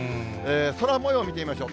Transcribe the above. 空もよう見てみましょう。